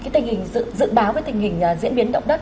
tình hình dự báo tình hình diễn biến động đất